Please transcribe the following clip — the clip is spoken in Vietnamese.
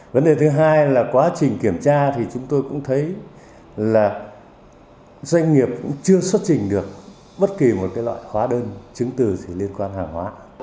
vấn đề thứ hai là quá trình kiểm tra thì chúng tôi cũng thấy là doanh nghiệp cũng chưa xuất trình được bất kỳ một loại hóa đơn chứng từ gì liên quan hàng hóa